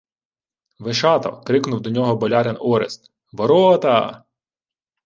— Вишато! — крикнув до нього болярин Орест. — Ворота-а!..